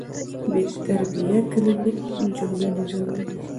بې ترتیبه کلیمې جمله نه جوړوي.